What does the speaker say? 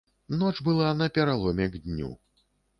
Ноч была на пераломе к дню.